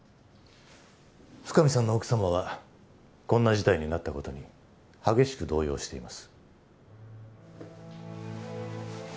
深海さんの奥様はこんな事態になった事に激しく動揺しています。